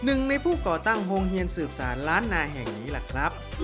หนึ่งในผู้ก่อตั้งโฮงเฮียนสืบสารล้านนาแห่งนี้แหละครับ